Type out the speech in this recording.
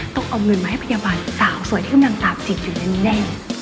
ต้องเอาเงินมาให้พยาบาลสาวสวยที่กำลังตาบจิตอยู่แน่